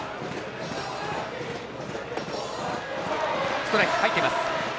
ストライク、入っています。